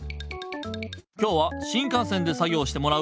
今日は新かん線で作ぎょうしてもらう。